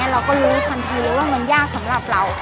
เราก็รู้ทันทีเลยว่ามันยากสำหรับเรา